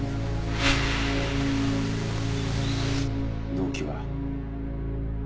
動機は？